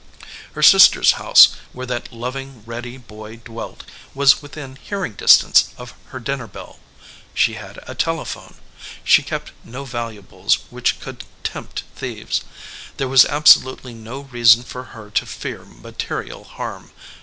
Her sister s house, where that loving, ready boy dwelt, was within hearing distance of her dinner bell. She had a telephone. She kept no valuables which could tempt thieves. There was absolutely no reason for her to fear material harm.